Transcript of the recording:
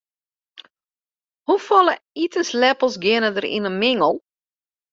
Hoefolle itensleppels geane der yn in mingel?